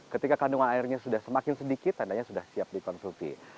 ketika kandungan airnya sudah semakin sedikit tandanya sudah siap dikonsumsi